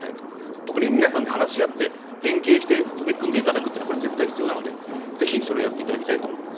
特に皆さんで話し合って連携して取り組んでいただくことは絶対必要なのでぜひやっていただきたいと思います。